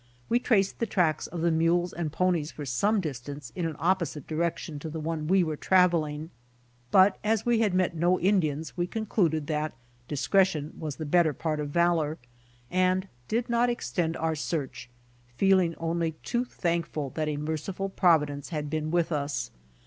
We traced the tracks of the mules and ponies for some distance in an opposite direction to the one we were traveling; but as we had met no Indians we con cluded that discretion was the better part of valor, and did not extend our search, feeling only too thankful that a merciful providence had been with us.